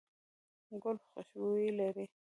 ګل خوشبويي لري.